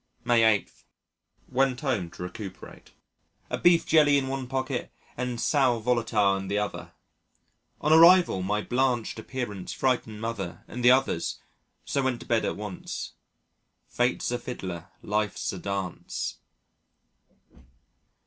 May 8. Went home to recuperate, a beef jelly in one pocket and sal volatile in the other. On arrival, my blanched appearance frightened Mother and the others, so went to bed at once. "Fate's a fiddler, life's a dance."